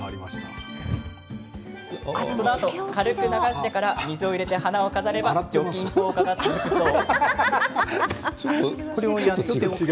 そのあと、軽く流してから水を入れて花を飾れば除菌効果が続くんだそう。